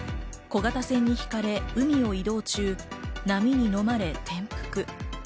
小型船に引かれ、海を移動中、波にのまれ転覆。